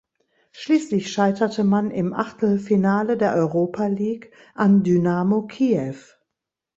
Schließlich scheiterte man im Achtelfinale der Europa League an Dynamo Kiew.